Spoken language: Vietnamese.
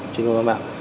trên cơ quan doanh mạng